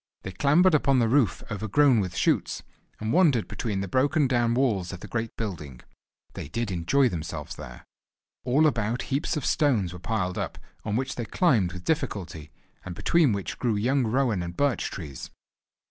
They clambered upon the roof overgrown with shoots, and wandered between the broken down walls of the great building. They did enjoy themselves there! All about heaps of stones were piled up, on which they climbed with difficulty, and between which grew young rowan and birch trees.